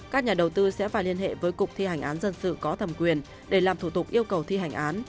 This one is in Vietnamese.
các nhà đầu tư sẽ phải liên hệ với cục thi hành án dân sự có thẩm quyền để làm thủ tục yêu cầu thi hành án